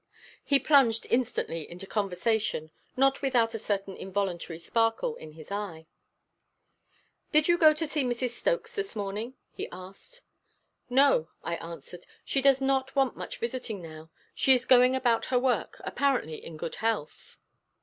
He plunged instantly into conversation, not without a certain involuntary sparkle in his eye. "Did you go to see Mrs. Stokes this morning?" he asked. "No," I answered. "She does not want much visiting now; she is going about her work, apparently in good health.